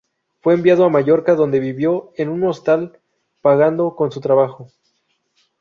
Fue enviado a Mallorca donde vivió en un hostal pagando con su trabajo.